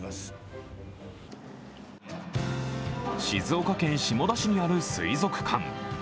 静岡県下田市にある水族館。